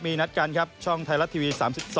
มีนัดกันครับช่องไทยรัฐทีวี๓๒